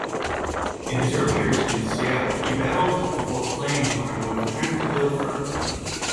In his early years in Seattle he battled for playing time with Trent Dilfer.